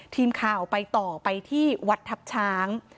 ทีมข่าวไปต่อไปที่วัดทัพช้าง